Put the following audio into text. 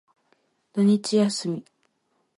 土日休み。